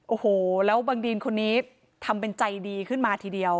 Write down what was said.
โอ้โหแล้วบังดีนคนนี้ทำเป็นใจดีขึ้นมาทีเดียว